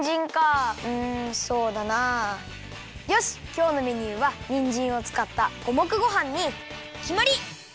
きょうのメニューはにんじんをつかった五目ごはんにきまり！